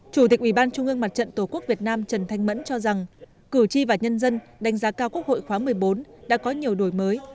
chủ tịch ubnd tổ quốc việt nam trần thanh mẫn cho rằng cử tri và nhân dân đánh giá cao quốc hội khóa một mươi bốn đã có nhiều đổi mới